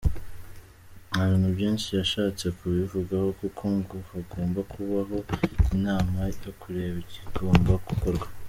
Nta bintu byinshi yashatse kubivugaho, kuko ngo hagomba kubaho inama yo kureba ikigomba gukorwa.